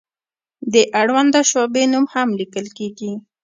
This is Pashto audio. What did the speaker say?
د اړونده شعبې نوم هم لیکل کیږي.